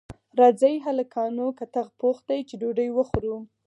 راځئ هلکانو کتغ پوخ دی چې ډوډۍ وخورو